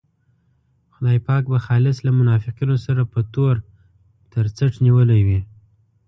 خدای پاک به خالص له منافقینو سره په تور تر څټ نیولی وي.